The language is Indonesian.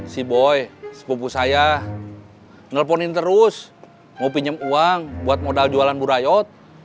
si boy sepupu saya nelfonin terus mau pinjem uang buat modal jualan burayot